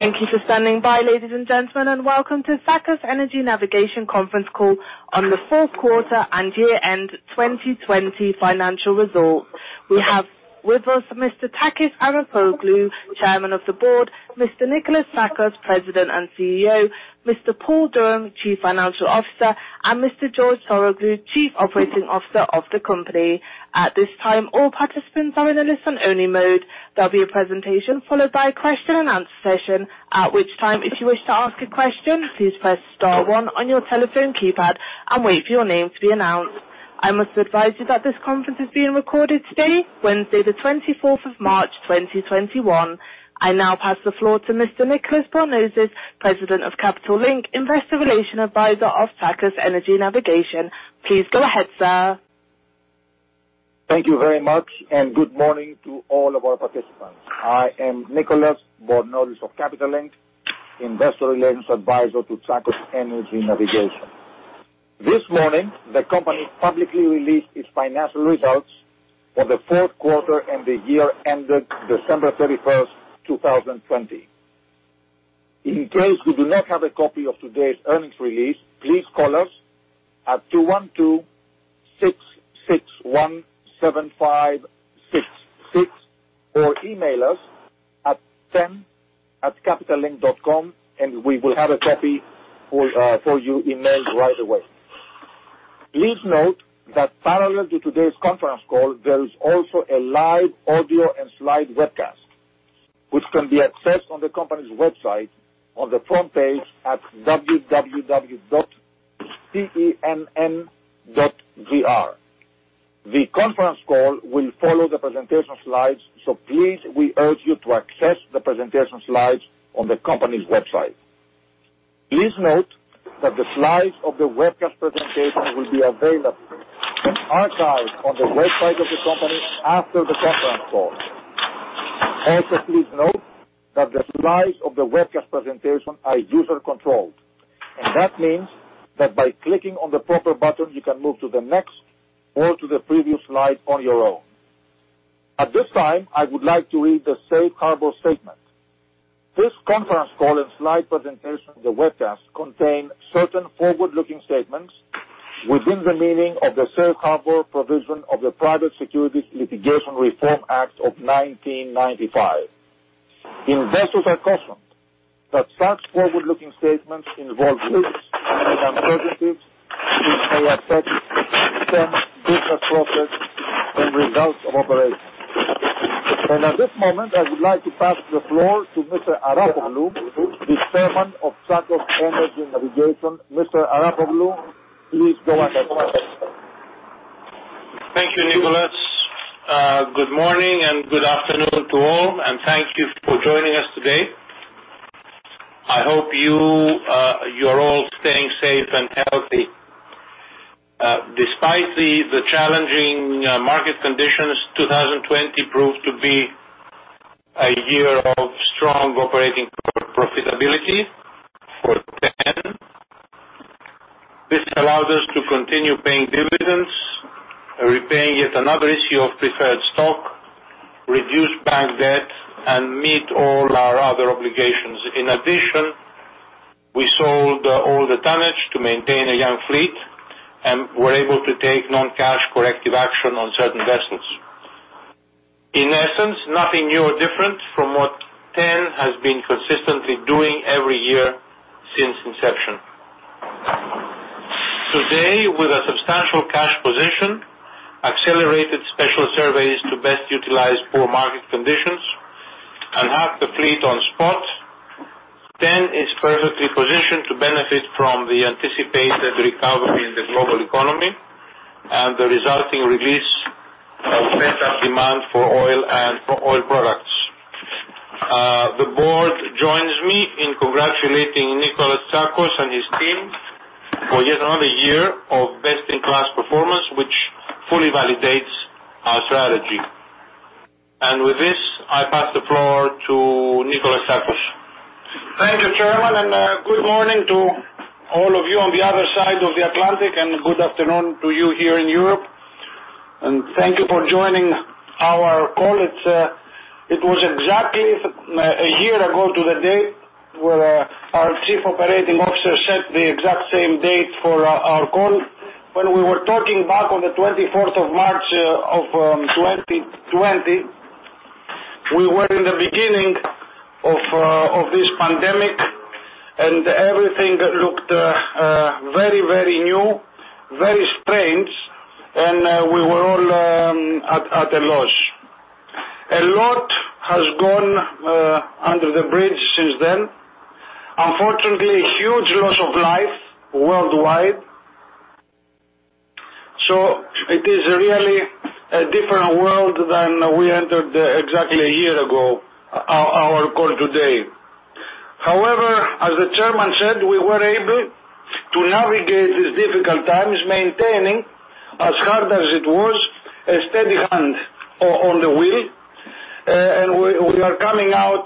Thank you for standing by, ladies and gentlemen, and welcome to Tsakos Energy Navigation conference call on the fourth quarter and year-end 2020 financial results. We have with us Mr. Takis Arapoglou, Chairman of the Board, Mr. Nikolas Tsakos, President and CEO, Mr. Paul Durham, Chief Financial Officer, and Mr. George Saroglou, Chief Operating Officer of the company. At this time, all participants are in a listen-only mode. There'll be a presentation followed by a question and answer session, at which time, if you wish to ask a question, please press star one on your telephone keypad and wait for your name to be announced. I must advise you that this conference is being recorded today, Wednesday, the 24th of March 2021. I now pass the floor to Mr. Nicolas Bornozis, President of Capital Link, investor relation advisor of Tsakos Energy Navigation. Please go ahead, sir. Thank you very much, and good morning to all of our participants. I am Nicolas Bornozis of Capital Link, investor relations advisor to Tsakos Energy Navigation. This morning, the company publicly released its financial results for the fourth quarter and the year ended December 31st, 2020. In case you do not have a copy of today's earnings release, please call us at 212-661-7566 or email us at ten@capitallink.com and we will have a copy for you emailed right away. Please note that parallel to today's conference call, there is also a live audio and slide webcast, which can be accessed on the company's website on the front page at www.tenn.gr. The conference call will follow the presentation slides, so please, we urge you to access the presentation slides on the company's website. Please note that the slides of the webcast presentation will be available and archived on the website of the company after the conference call. Also, please note that the slides of the webcast presentation are user-controlled, that means that by clicking on the proper button, you can move to the next or to the previous slide on your own. At this time, I would like to read the Safe Harbor statement. This conference call and slide presentation of the webcast contain certain forward-looking statements within the meaning of the Safe Harbor provision of the Private Securities Litigation Reform Act of 1995. Investors are cautioned that such forward-looking statements involve risks and uncertainties which may affect some business process and results of operations. At this moment, I would like to pass the floor to Mr. Arapoglou, the Chairman of Tsakos Energy Navigation. Mr. Arapoglou, please go ahead. Thank you, Nicolas. Good morning and good afternoon to all, and thank you for joining us today. I hope you're all staying safe and healthy. Despite the challenging market conditions, 2020 proved to be a year of strong operating profitability for TEN. This allows us to continue paying dividends, repaying yet another issue of preferred stock, reduce bank debt, and meet all our other obligations. In addition, we sold older tonnage to maintain a young fleet and were able to take non-cash corrective action on certain vessels. In essence, nothing new or different from what TEN has been consistently doing every year since inception. Today, with a substantial cash position, accelerated special surveys to best utilize poor market conditions, and half the fleet on spot, TEN is perfectly positioned to benefit from the anticipated recovery in the global economy and the resulting release of pent-up demand for oil and for oil products. The board joins me in congratulating Nikolas Tsakos and his team for yet another year of best-in-class performance, which fully validates our strategy. With this, I pass the floor to Nikolas Tsakos. Thank you, Chairman. Good morning to all of you on the other side of the Atlantic, and good afternoon to you here in Europe. Thank you for joining our call. It was exactly a year ago to the day where our Chief Operating Officer set the exact same date for our call. When we were talking back on the 24th of March of 2020, we were in the beginning of this pandemic, and everything looked very new, very strange, and we were all at a loss. A lot has gone under the bridge since then. Unfortunately, a huge loss of life worldwide. It is really a different world than we entered exactly a year ago, our call today. However, as the Chairman said, we were able to navigate these difficult times, maintaining, as hard as it was, a steady hand on the wheel. We are coming out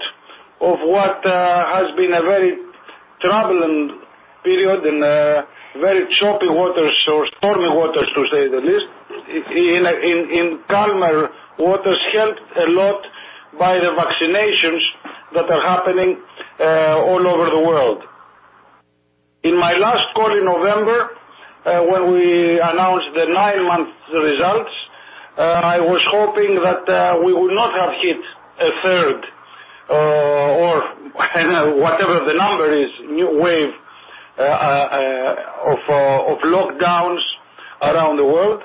of what has been a very troubling period in very choppy waters or stormy waters, to say the least, in calmer waters, helped a lot by the vaccinations that are happening all over the world. In my last call in November, when we announced the nine-month results, I was hoping that we would not have hit a third or whatever the number is, new wave of lockdowns around the world.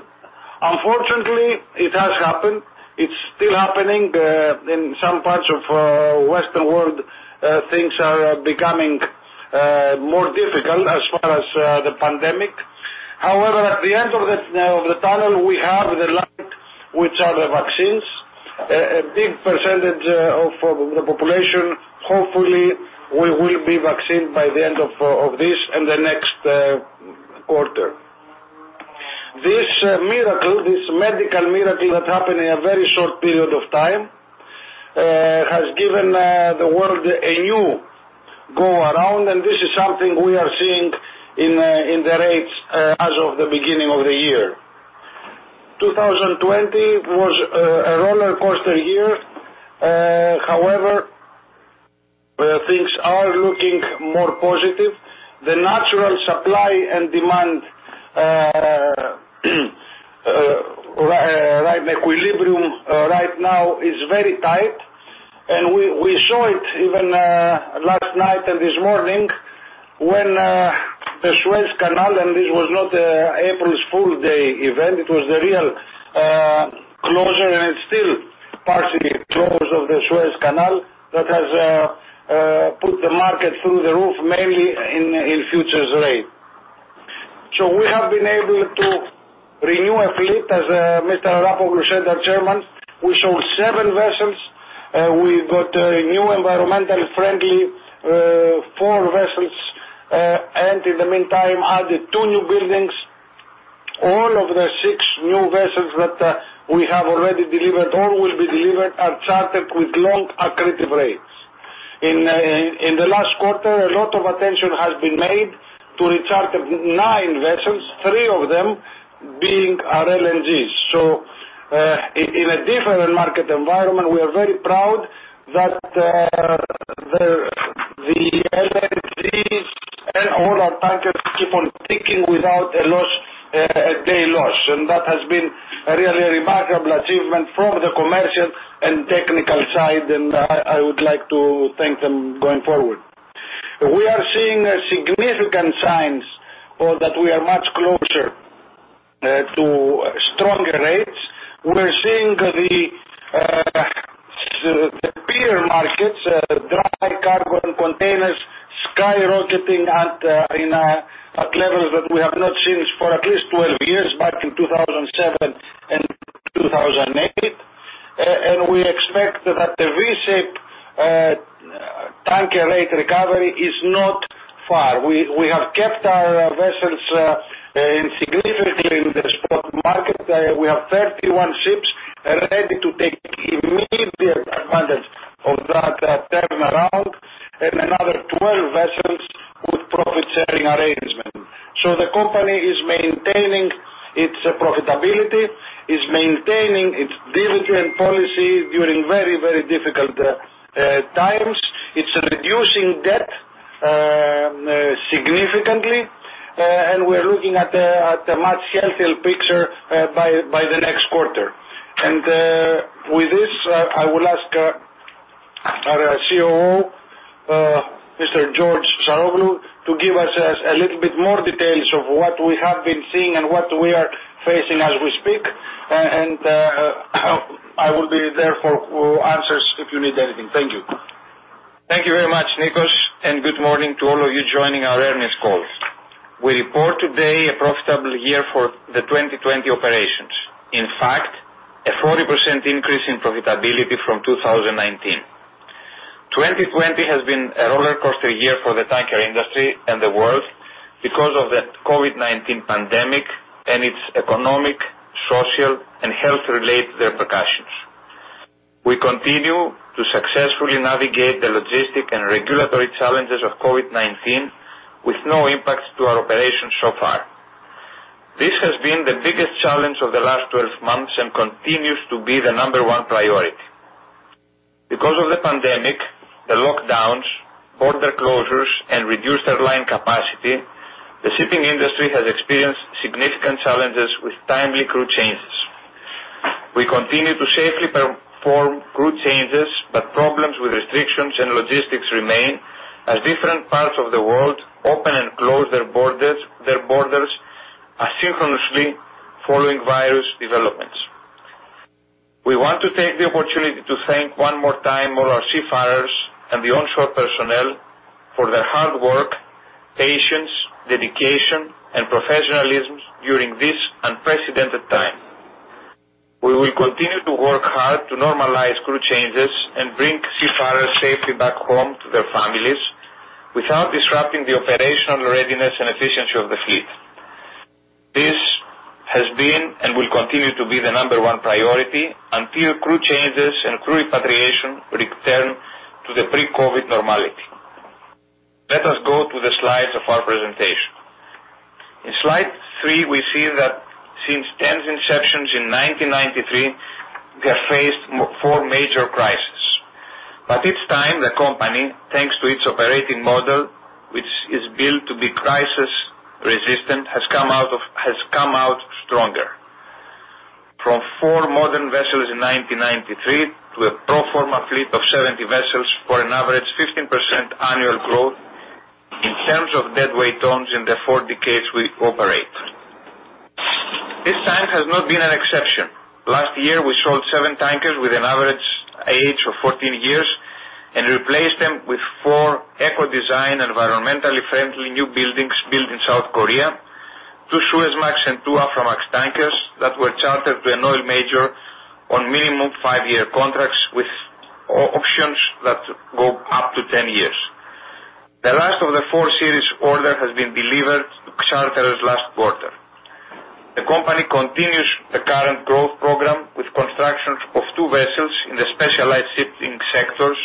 Unfortunately, it has happened. It is still happening. In some parts of the Western world, things are becoming more difficult as far as the pandemic. However, at the end of the tunnel, we have the light, which are the vaccines. A big percentage of the population, hopefully, will be vaccine by the end of this and the next quarter. This medical miracle that happened in a very short period of time has given the world a new go-around, and this is something we are seeing in the rates as of the beginning of the year. 2020 was a roller coaster year. Things are looking more positive. The natural supply and demand equilibrium right now is very tight, and we saw it even last night and this morning when the Suez Canal, and this was not an April Fool's Day event, it was the real closure, and it's still partially closed of the Suez Canal that has put the market through the roof, mainly in futures rates. We have been able to renew a fleet as Mr. Arapoglou said, our Chairman. We sold seven vessels. We got new environmental-friendly four vessels and, in the meantime, added two new buildings. All of the six new vessels that we have already delivered or will be delivered are chartered with long accretive rates. In the last quarter, a lot of attention has been made to recharter nine vessels, three of them being our LNGs. In a different market environment, we are very proud that the LNGs and all our tankers keep on ticking without a day loss. That has been a really remarkable achievement from the commercial and technical side, and I would like to thank them going forward. We are seeing significant signs that we are much closer to stronger rates. We are seeing the peer markets, dry cargo and containers skyrocketing at levels that we have not seen for at least 12 years, back in 2007 and 2008. We expect that the V-shape tanker rate recovery is not far. We have kept our vessels significantly in the spot market. We have 31 ships ready to take immediate advantage of that turnaround and another 12 vessels with profit-sharing arrangement. The company is maintaining its profitability, is maintaining its dividend policy during very difficult times. It's reducing debt significantly. We're looking at a much healthier picture by the next quarter. With this, I will ask our COO, Mr. George Saroglou, to give us a little bit more details of what we have been seeing and what we are facing as we speak. I will be there for answers if you need anything. Thank you. Thank you very much, Nikos, and good morning to all of you joining our earnings call. We report today a profitable year for the 2020 operations. In fact, a 40% increase in profitability from 2019. 2020 has been a roller coaster year for the tanker industry and the world because of the COVID-19 pandemic and its economic, social, and health-related repercussions. We continue to successfully navigate the logistic and regulatory challenges of COVID-19 with no impacts to our operations so far. This has been the biggest challenge of the last 12 months and continues to be the number one priority. Because of the pandemic, the lockdowns, border closures, and reduced airline capacity, the shipping industry has experienced significant challenges with timely crew changes. We continue to safely perform crew changes, but problems with restrictions and logistics remain as different parts of the world open and close their borders asynchronously following virus developments. We want to take the opportunity to thank one more time all our seafarers and the onshore personnel for their hard work, patience, dedication, and professionalism during this unprecedented time. We will continue to work hard to normalize crew changes and bring seafarers safely back home to their families without disrupting the operational readiness and efficiency of the fleet. This has been and will continue to be the number one priority until crew changes and crew repatriation return to the pre-COVID normality. Let us go to the slides of our presentation. In slide three, we see that since TEN's inceptions in 1993, we have faced four major crises. Each time, the company, thanks to its operating model, which is built to be crisis resistant, has come out stronger. From four modern vessels in 1993 to a pro forma fleet of 70 vessels for an average 15% annual growth in terms of deadweight tons in the four decades we operate. This time has not been an exception. Last year, we sold seven tankers with an average age of 14 years and replaced them with four eco design, environmentally friendly new buildings built in South Korea, two suezmax and two aframax tankers that were chartered to an oil major on minimum five-year contracts with options that go up to 10 years. The last of the four series order has been delivered to charterers last quarter. The company continues the current growth program with constructions of two vessels in the specialized shipping sectors,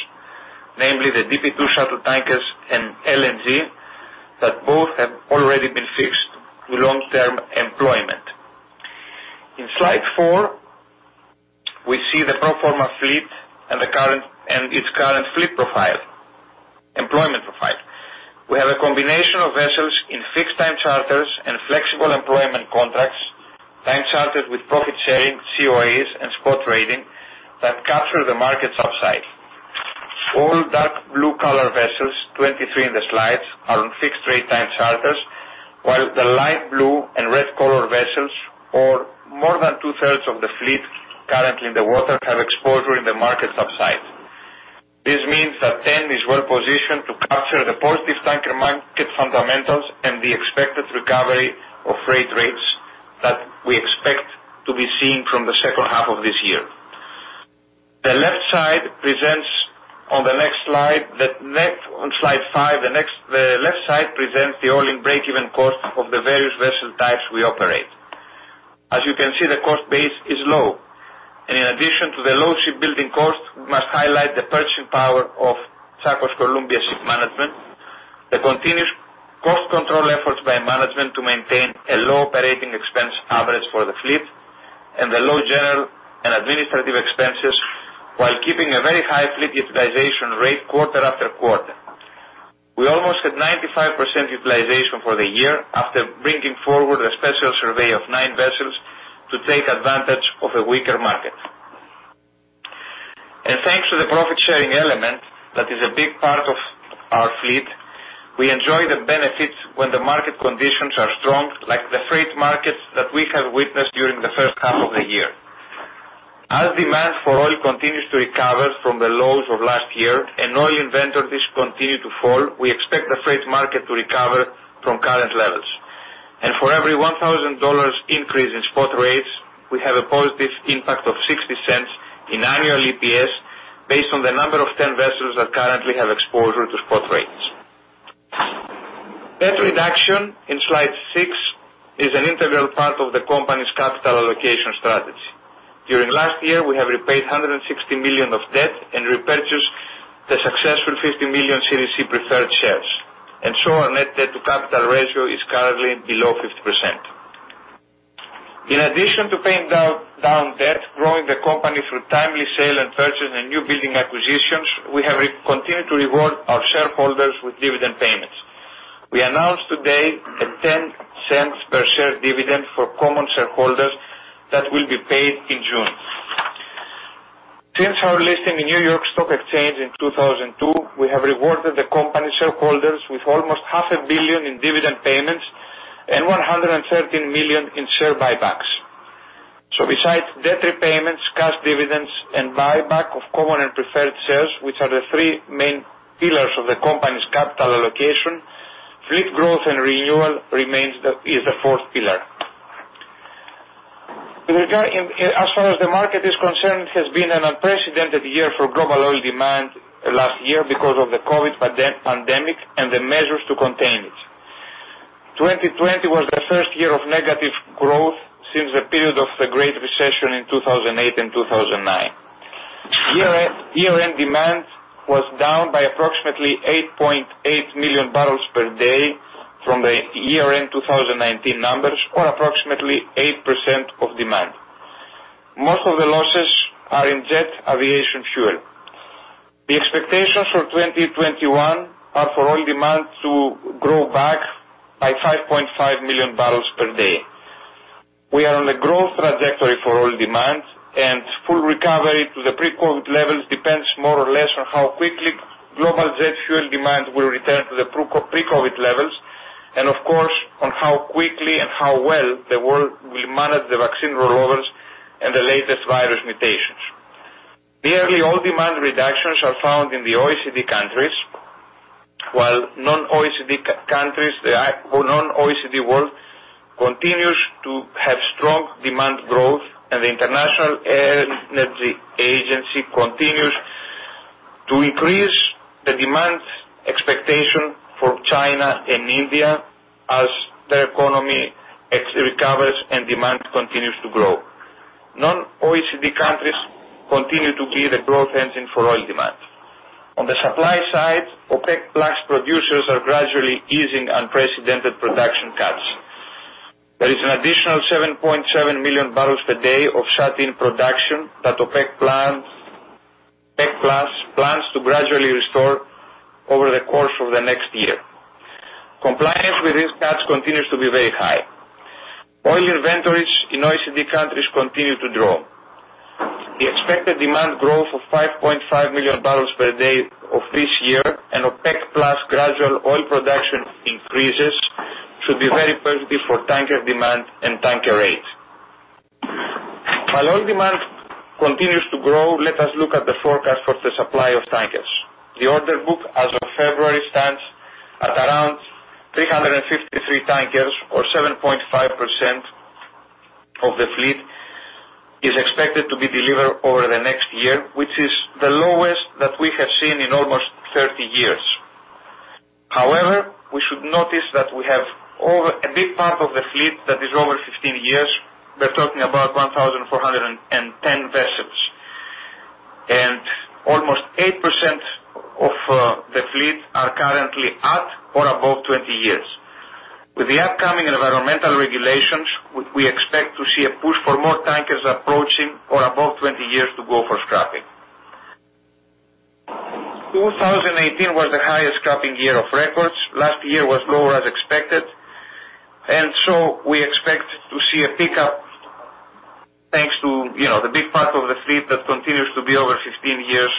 namely the DP2 shuttle tankers and LNG, that both have already been fixed to long-term employment. In slide four, we see the pro forma fleet and its current fleet profile, employment profile. We have a combination of vessels in fixed-time charters and flexible employment contracts, time charters with profit-sharing, COAs, and spot trading that capture the market upside. All dark blue color vessels, 23 in the slides, are on fixed rate time charters, while the light blue and red color vessels or more than 2/3 of the fleet currently in the water have exposure in the market upside. This means that TEN is well-positioned to capture the positive tanker market fundamentals and the expected recovery of freight rates that we expect to be seeing from the second half of this year. The left side presents on the next slide. On slide five, the left side presents the all-in break-even cost of the various vessel types we operate. As you can see, the cost base is low. In addition to the low shipbuilding cost, we must highlight the purchasing power of Tsakos Columbia Shipmanagement, the continuous cost control efforts by management to maintain a low operating expense average for the fleet, and the low general and administrative expenses while keeping a very high fleet utilization rate quarter after quarter. We almost had 95% utilization for the year after bringing forward a special survey of nine vessels to take advantage of a weaker market. Thanks to the profit-sharing element, that is a big part of our fleet, we enjoy the benefits when the market conditions are strong, like the freight markets that we have witnessed during the first half of the year. As demand for oil continues to recover from the lows of last year and oil inventories continue to fall, we expect the freight market to recover from current levels. For every $1,000 increase in spot rates, we have a positive impact of $0.60 in annual EPS based on the number of TEN vessels that currently have exposure to spot rates. Debt reduction in slide six is an integral part of the company's capital allocation strategy. During last year, we have repaid $160 million of debt and repurchased the successful $50 million Series C Preferred Shares. Our net debt to capital ratio is currently below 50%. In addition to paying down debt, growing the company through timely sale and purchase and new building acquisitions, we have continued to reward our shareholders with dividend payments. We announced today a $0.10 per share dividend for common shareholders that will be paid in June. Since our listing in New York Stock Exchange in 2002, we have rewarded the company shareholders with almost half a billion in dividend payments and $113 million in share buybacks. Besides debt repayments, cash dividends, and buyback of common and Preferred Shares, which are the three main pillars of the company's capital allocation, fleet growth and renewal is the fourth pillar. As far as the market is concerned, it has been an unprecedented year for global oil demand last year because of the COVID-19 pandemic and the measures to contain it. 2020 was the first year of negative growth since the period of the Great Recession in 2008 and 2009. Year-end demand was down by approximately 8.8 million barrels per day from the year-end 2019 numbers or approximately 8% of demand. Most of the losses are in jet aviation fuel. The expectations for 2021 are for oil demand to grow back by 5.5 million barrels per day. We are on a growth trajectory for oil demand and full recovery to the pre-COVID-19 levels depends more or less on how quickly global jet fuel demand will return to the pre-COVID-19 levels, and of course, on how quickly and how well the world will manage the vaccine rollouts and the latest virus mutations. Nearly all demand reductions are found in the OECD countries, while non-OECD countries or non-OECD world continues to have strong demand growth and the International Energy Agency continues to increase the demand expectation for China and India as their economy recovers and demand continues to grow. Non-OECD countries continue to be the growth engine for oil demand. On the supply side, OPEC+ producers are gradually easing unprecedented production cuts. There is an additional 7.7 million barrels per day of shut-in production that OPEC+ plans to gradually restore over the course of the next year. Compliance with these cuts continues to be very high. Oil inventories in OECD countries continue to draw. The expected demand growth of 5.5 million barrels per day of this year and OPEC+ gradual oil production increases should be very positive for tanker demand and tanker rates. While oil demand continues to grow, let us look at the forecast for the supply of tankers. The order book as of February stands at around 353 tankers or 7.5% of the fleet, is expected to be delivered over the next year, which is the lowest that we have seen in almost 30 years. However, we should notice that we have a big part of the fleet that is over 15 years. We are talking about 1,410 vessels. Almost 8% of the fleet are currently at or above 20 years. With the upcoming environmental regulations, we expect to see a push for more tankers approaching or above 20 years to go for scrapping. 2018 was the highest scrapping year of records. Last year was lower as expected. We expect to see a pickup thanks to the big part of the fleet that continues to be over 15 years.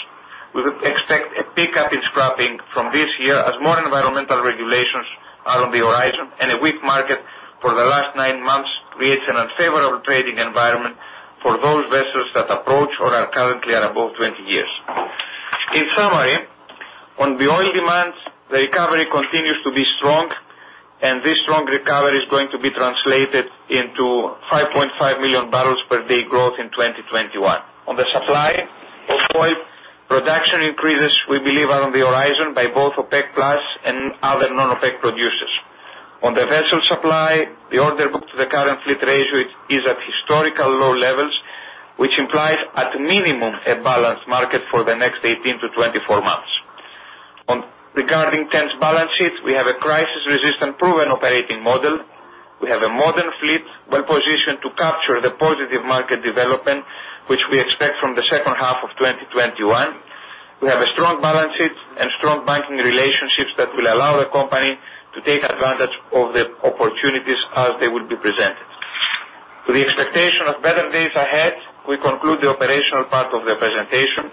We would expect a pickup in scrapping from this year as more environmental regulations are on the horizon and a weak market for the last nine months creates an unfavorable trading environment for those vessels that approach or are currently at above 20 years. In summary, on the oil demands, the recovery continues to be strong, and this strong recovery is going to be translated into 5.5 million barrels per day growth in 2021. On the supply of oil, production increases, we believe, are on the horizon by both OPEC+ and other non-OPEC producers. On the vessel supply, the order book to the current fleet ratio is at historical low levels, which implies at minimum a balanced market for the next 18 to 24 months. Regarding TEN's balance sheet, we have a crisis-resistant proven operating model. We have a modern fleet well-positioned to capture the positive market development, which we expect from the second half of 2021. We have a strong balance sheet and strong banking relationships that will allow the company to take advantage of the opportunities as they will be presented. To the expectation of better days ahead, we conclude the operational part of the presentation.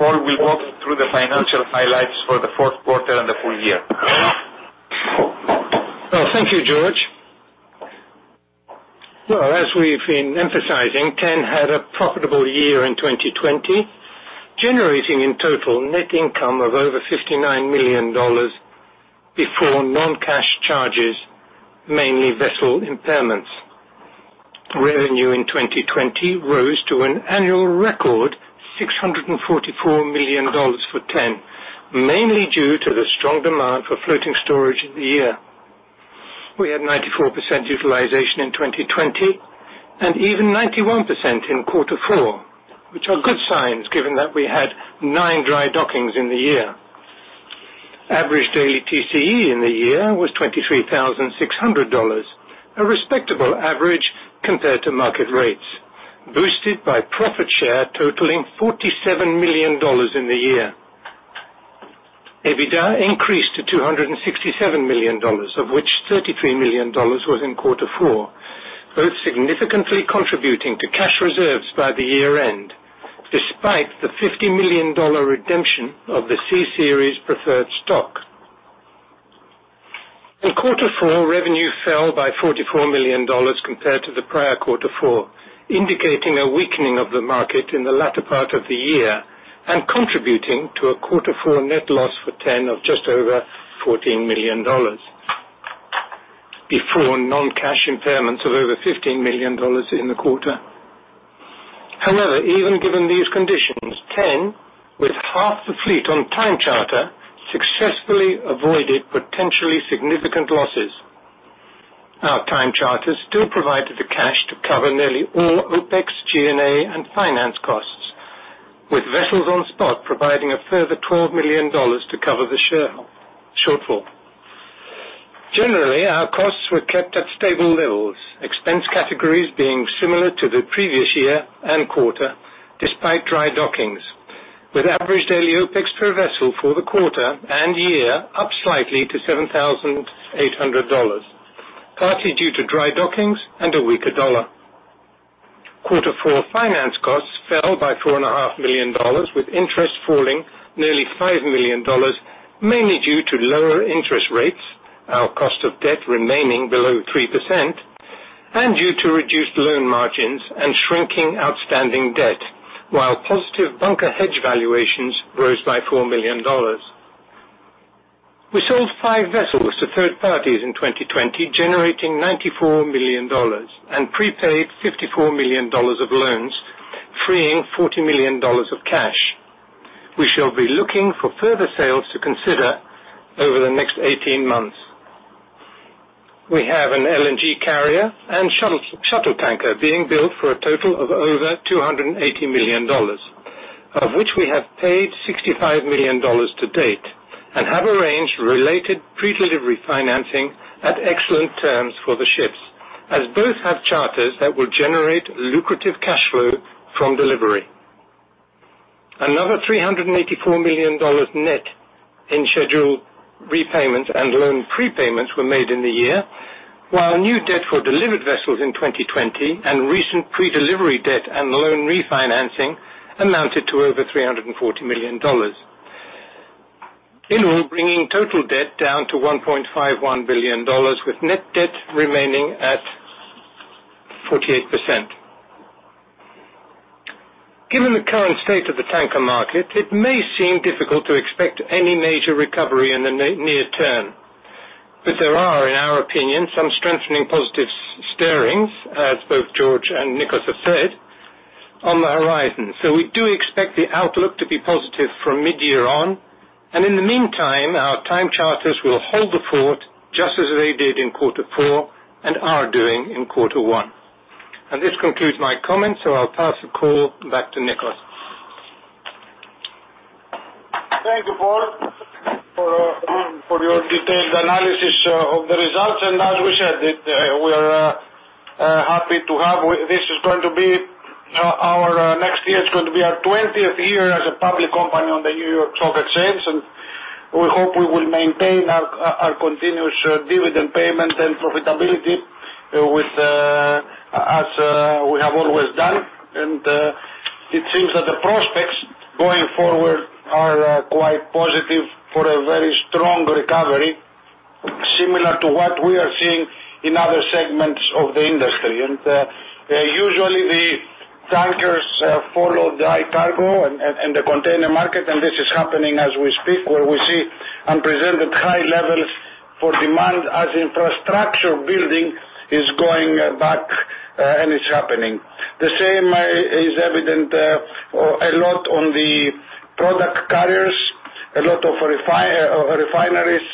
Paul will walk you through the financial highlights for the fourth quarter and the full year. Well, thank you, George. Well, as we've been emphasizing, TEN had a profitable year in 2020, generating in total net income of over $59 million before non-cash charges, mainly vessel impairments. Revenue in 2020 rose to an annual record $644 million for TEN, mainly due to the strong demand for floating storage in the year. We had 94% utilization in 2020 and even 91% in quarter four, which are good signs given that we had nine dry dockings in the year. Average daily TCE in the year was $23,600, a respectable average compared to market rates, boosted by profit share totaling $47 million in the year. EBITDA increased to $267 million, of which $33 million was in quarter four, both significantly contributing to cash reserves by the year-end, despite the $50 million redemption of the Series C preferred stock. In quarter four, revenue fell by $44 million compared to the prior quarter four, indicating a weakening of the market in the latter part of the year and contributing to a quarter four net loss for TEN of just over $14 million, before non-cash impairments of over $15 million in the quarter. Even given these conditions, TEN, with half the fleet on time charter, successfully avoided potentially significant losses. Our time charter still provided the cash to cover nearly all OpEx, G&A, and finance costs, with vessels on spot providing a further $12 million to cover the shortfall. Our costs were kept at stable levels, expense categories being similar to the previous year and quarter despite dry dockings, with average daily OpEx per vessel for the quarter and year up slightly to $7,800, partly due to dry dockings and a weaker dollar. Quarter four finance costs fell by $4.5 million, with interest falling nearly $5 million, mainly due to lower interest rates, our cost of debt remaining below 3%, and due to reduced loan margins and shrinking outstanding debt, while positive bunker hedge valuations rose by $4 million. We sold five vessels to third parties in 2020, generating $94 million and prepaid $54 million of loans, freeing $40 million of cash. We shall be looking for further sales to consider over the next 18 months. We have an LNG carrier and shuttle tanker being built for a total of over $280 million, of which we have paid $65 million to date and have arranged related pre-delivery financing at excellent terms for the ships, as both have charters that will generate lucrative cash flow from delivery. Another $384 million net in scheduled repayments and loan prepayments were made in the year, while new debt for delivered vessels in 2020 and recent pre-delivery debt and loan refinancing amounted to over $340 million. Bringing total debt down to $1.51 billion, with net debt remaining at 48%. Given the current state of the tanker market, it may seem difficult to expect any major recovery in the near term. There are, in our opinion, some strengthening positive stirrings, as both George and Nikos have said, on the horizon. We do expect the outlook to be positive from mid-year on and in the meantime, our time charters will hold the fort, just as they did in quarter four and are doing in quarter one. This concludes my comments, I'll pass the call back to Nikos. Thank you, Paul, for your detailed analysis of the results. As we said, next year is going to be our 20th year as a public company on the New York Stock Exchange, and we hope we will maintain our continuous dividend payment and profitability as we have always done. It seems that the prospects going forward are quite positive for a very strong recovery, similar to what we are seeing in other segments of the industry. Usually, the tankers follow the dry cargo and the container market, and this is happening as we speak, where we see unprecedented high levels for demand as infrastructure building is going back, and it's happening. The same is evident a lot on the product carriers. A lot of refineries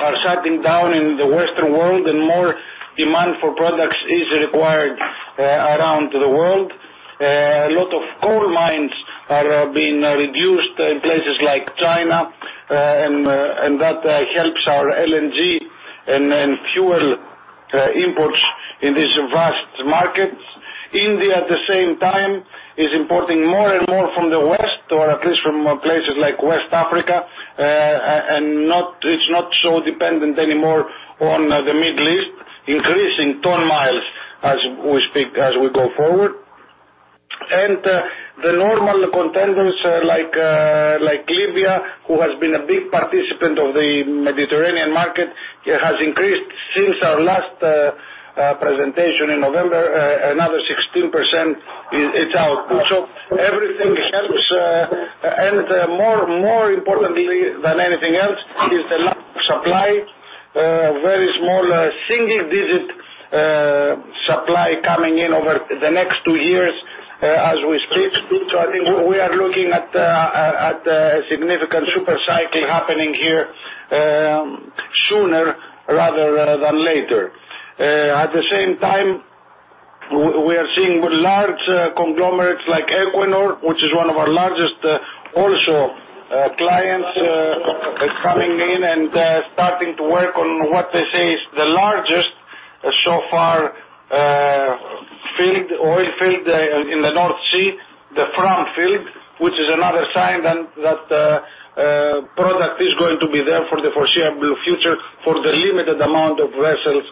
are shutting down in the Western world, and more demand for products is required around the world. A lot of coal mines are being reduced in places like China, that helps our LNG and fuel imports in these vast markets. India, at the same time, is importing more and more from the West, or at least from places like West Africa and it's not so dependent anymore on the Middle East, increasing ton miles as we go forward. The normal contenders like Libya, who has been a big participant of the Mediterranean market, has increased since our last presentation in November, another 16%. Its output. Everything helps, and more importantly than anything else is the lack of supply. Very small, single-digit supply coming in over the next two years as we speak. I think we are looking at a significant super cycle happening here sooner rather than later. At the same time, we are seeing large conglomerates like Equinor, which is one of our largest also clients, coming in and starting to work on what they say is the largest so far oil field in the North Sea, the Front field, which is another sign that product is going to be there for the foreseeable future for the limited amount of vessels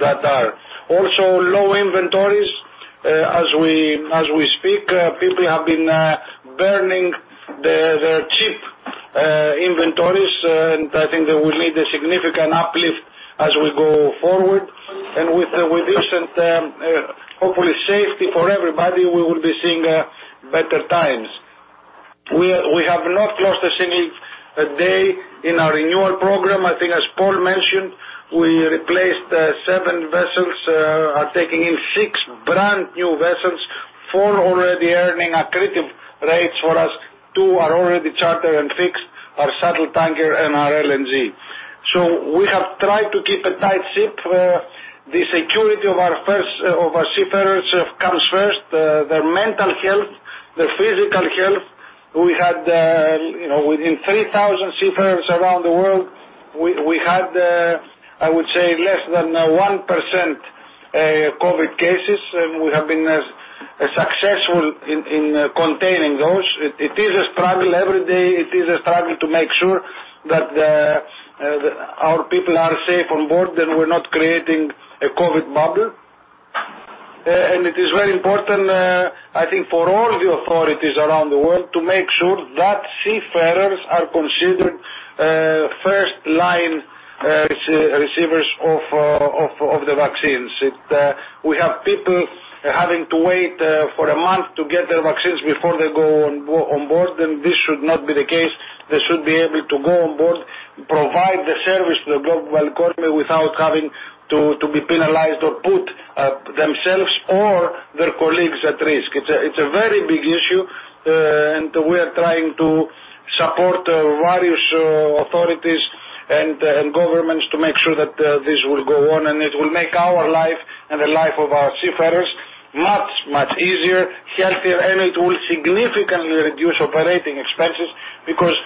that are. Also low inventories as we speak. People have been burning their cheap inventories, and I think they will need a significant uplift as we go forward. With this and hopefully safety for everybody, we will be seeing better times. We have not lost a single day in our renewal program. I think as Paul mentioned, we replaced seven vessels, are taking in six brand new vessels, four already earning accretive rates for us. Two are already chartered and fixed, our shuttle tanker and our LNG. We have tried to keep a tight ship. The security of our seafarers comes first, their mental health, their physical health. Within 3,000 seafarers around the world, we had, I would say, less than 1% COVID cases. We have been successful in containing those. It is a struggle every day. It is a struggle to make sure that our people are safe on board and we're not creating a COVID bubble. It is very important, I think, for all the authorities around the world to make sure that seafarers are considered first line-receivers of the vaccines. We have people having to wait for a month to get their vaccines before they go on board, and this should not be the case. They should be able to go on board, provide the service to the global economy without having to be penalized or put themselves or their colleagues at risk. It's a very big issue, and we are trying to support various authorities and governments to make sure that this will go on and it will make our life and the life of our seafarers much, much easier, healthier, and it will significantly reduce operating expenses because,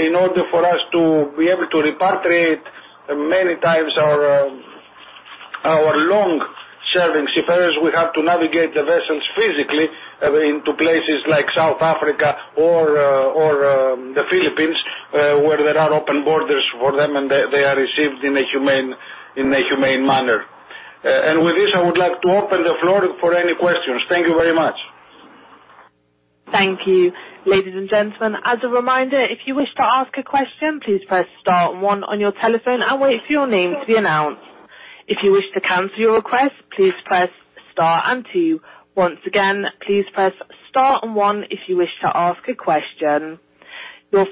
in order for us to be able to repatriate many times our long-serving seafarers, we have to navigate the vessels physically into places like South Africa or the Philippines, where there are open borders for them, and they are received in a humane manner. With this, I would like to open the floor for any questions. Thank you very much. Thank you. Ladies and gentlemen, your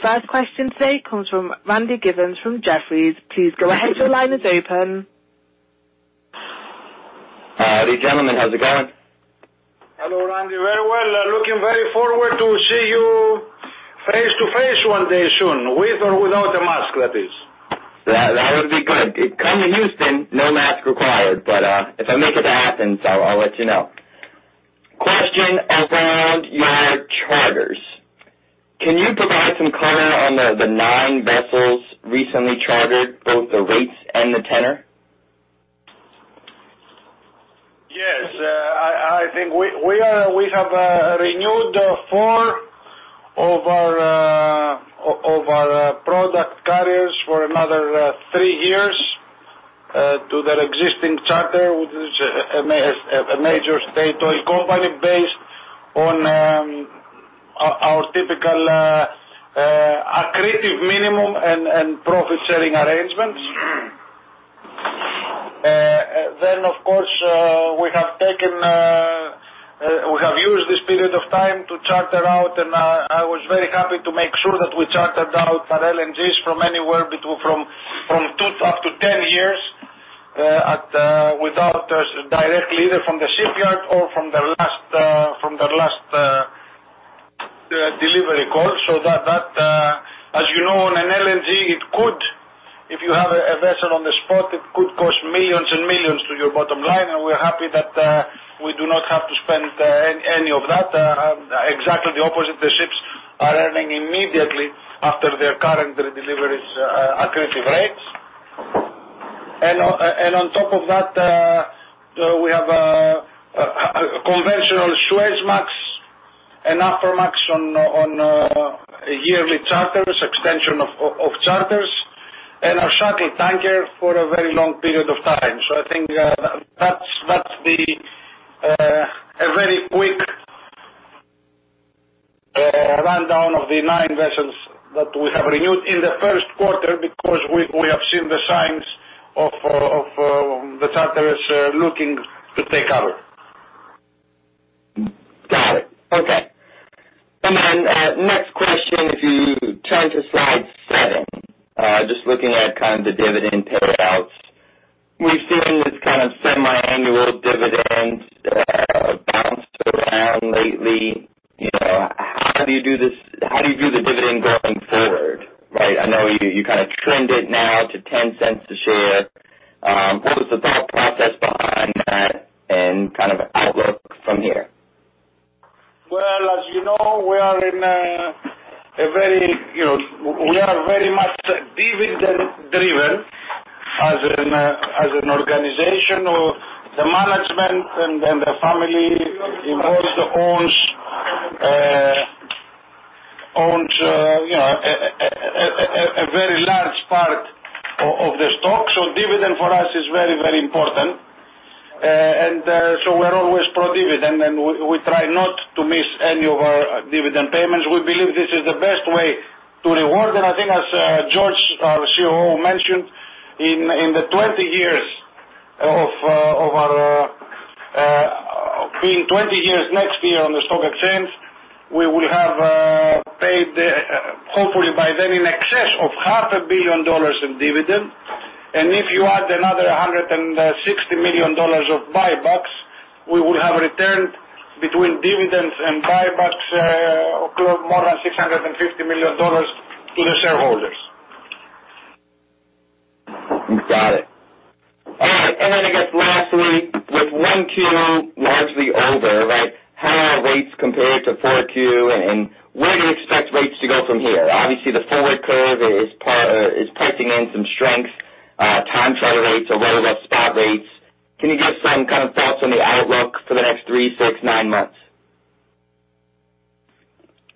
first question today comes from Randy Giveans from Jefferies. Please go ahead, your line is open. Hi, gentlemen. How's it going? Hello, Randy. Very well. Looking very forward to see you face-to-face one day soon, with or without a mask, that is. That would be good. Come to Houston, no mask required. If I make it to Athens, I'll let you know. Question around your charters. Can you provide some color on the nine vessels recently chartered, both the rates and the tenor? Yes. I think we have renewed four of our product carriers for another three years to their existing charter, which is a major state oil company based on our typical accretive minimum and profit-sharing arrangements. Of course, we have used this period of time to charter out and I was very happy to make sure that we chartered out our LNGs from anywhere between up to 10 years without directly either from the shipyard or from the last delivery call. That, as you know, on an LNG, if you have a vessel on the spot, it could cost millions and millions to your bottom line, and we're happy that we do not have to spend any of that. Exactly the opposite, the ships are earning immediately after their current deliveries' accretive rates. On top of that, we have a conventional suezmax and aframax on yearly charters, extension of charters, and our shuttle tanker for a very long period of time. I think that's a very quick rundown of the nine vessels that we have renewed in the first quarter because we have seen the signs of the charterers looking to take cover. Got it. Okay. Next question, if you turn to slide seven, just looking at kind of the dividend payouts. We've seen this kind of semi-annual dividend bounce around lately. How do you view the dividend going forward? I know you kind of trimmed it now to $0.10 a share. What was the thought process behind that and kind of outlook from here? As you know, we are very much dividend driven as an organization. The management and the family involved owns a very large part of the stock. Dividend for us is very important. We're always pro-dividend, and we try not to miss any of our dividend payments. We believe this is the best way to reward. I think as George, our COO, mentioned, in the 20 years of our being, 20 years next year on the stock exchange, we will have paid, hopefully by then, in excess of half a billion dollars in dividends. If you add another $160 million of buybacks, we will have returned between dividends and buybacks more than $650 million to the shareholders. Got it. All right. I guess lastly, with one Q largely over, how are rates compared to Q4, and where do you expect rates to go from here? Obviously, the forward curve is pricing in some strength. Time charter rates are well above spot rates. Can you give some kind of thoughts on the outlook for the next three, six, nine months?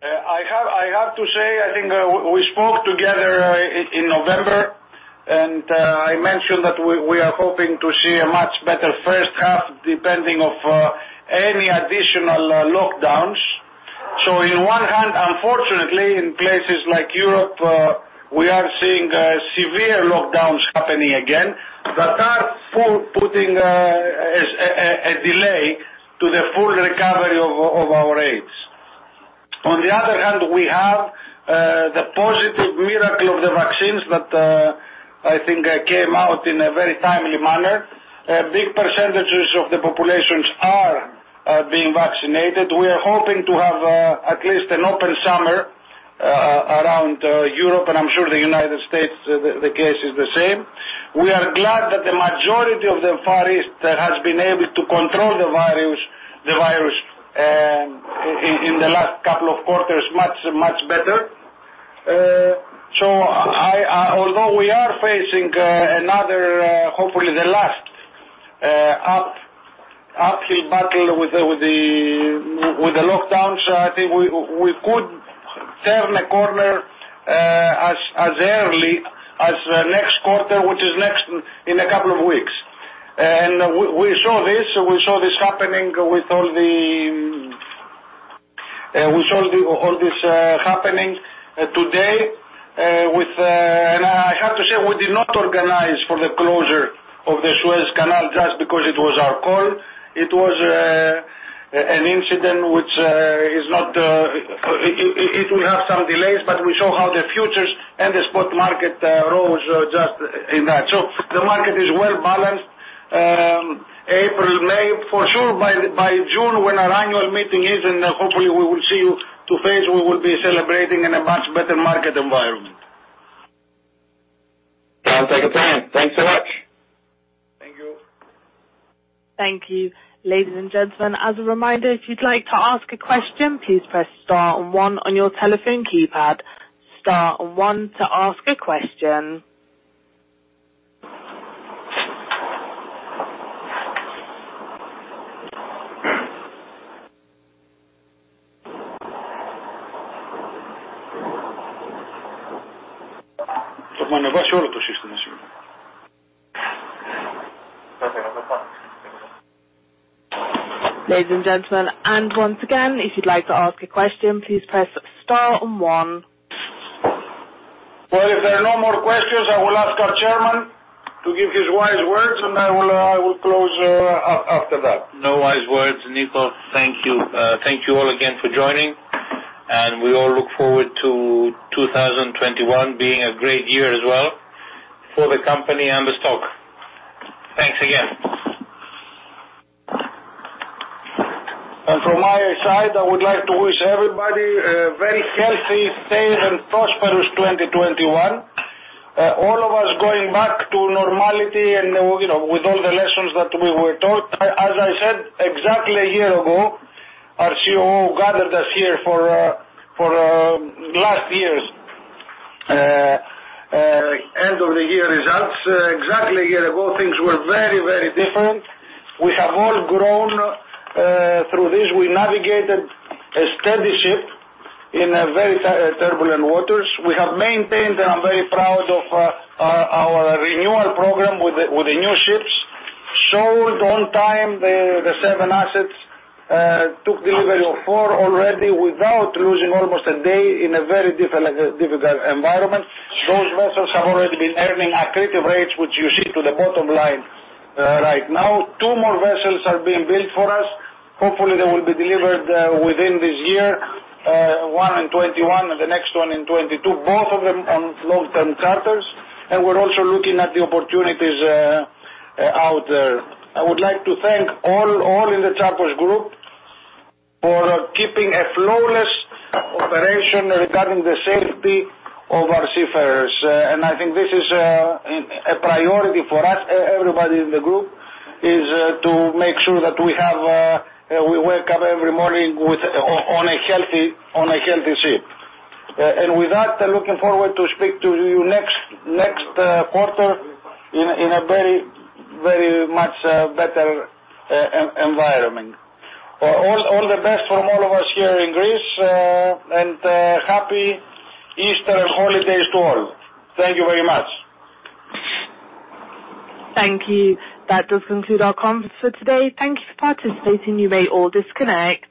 I have to say, I think we spoke together in November. I mentioned that we are hoping to see a much better first half, depending of any additional lockdowns. On one hand, unfortunately, in places like Europe, we are seeing severe lockdowns happening again that are putting a delay to the full recovery of our rates. On the other hand, we have the positive miracle of the vaccines that I think came out in a very timely manner. Big percentages of the populations are being vaccinated. We are hoping to have at least an open summer around Europe. I am sure the United States, the case is the same. We are glad that the majority of the Far East has been able to control the virus in the last couple of quarters much better. Although we are facing another, hopefully the last, uphill battle with the lockdowns, I think we could turn a corner as early as next quarter, which is in a couple of weeks. We saw all this happening today. I have to say, we did not organize for the closure of the Suez Canal just because it was our call. It was an incident which will have some delays, but we saw how the futures and the spot market rose just in that. The market is well-balanced. April, May, for sure by June when our annual meeting is, and hopefully we will see you face-to-face, we will be celebrating in a much better market environment. I'll take a plan. Thanks so much. Thank you. Thank you. Ladies and gentlemen, as a reminder, if you'd like to ask a question, please press star and one on your telephone keypad. Star and one to ask a question. Ladies and gentlemen, and once again, if you'd like to ask a question, please press star and one. Well, if there are no more questions, I will ask our Chairman to give his wise words, and I will close after that. No wise words, Niko. Thank you all again for joining. We all look forward to 2021 being a great year as well for the company and the stock. Thanks again. From my side, I would like to wish everybody a very healthy, safe, and prosperous 2021. All of us going back to normality and with all the lessons that we were taught. As I said, exactly a year ago, our COO gathered us here for last year's end of the year results. Exactly a year ago, things were very different. We have all grown through this. We navigated a steady ship in very turbulent waters. We have maintained, and I'm very proud of our renewal program with the new ships. Sold on time, the seven assets, took delivery of four already without losing almost a day in a very difficult environment. Those vessels have already been earning accretive rates, which you see to the bottom line right now. Two more vessels are being built for us. Hopefully, they will be delivered within this year, one in 2021, and the next one in 2022, both of them on long-term charters. We're also looking at the opportunities out there. I would like to thank all in the Tsakos group for keeping a flawless operation regarding the safety of our seafarers. I think this is a priority for us. Everybody in the group is to make sure that we wake up every morning on a healthy ship. With that, looking forward to speak to you next quarter in a very much better environment. All the best from all of us here in Greece, and happy Easter and holidays to all. Thank you very much. Thank you. That does conclude our conference for today. Thank you for participating. You may all disconnect.